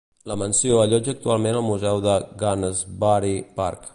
La mansió allotja actualment el museu de Gunnersbury Park.